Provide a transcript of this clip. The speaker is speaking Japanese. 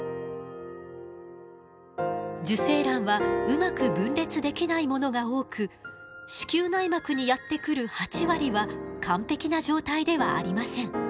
受精卵はうまく分裂できないものが多く子宮内膜にやって来る８割は完璧な状態ではありません。